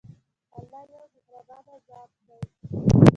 الله يو مهربان ذات دی.